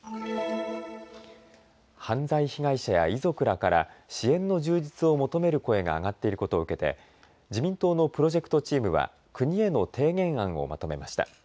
犯罪被害者や遺族らから支援の充実を求める声が上がっていることを受けて自民党のプロジェクトチームは国への提言案をまとめました。